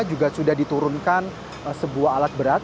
juga sudah diturunkan sebuah alat berat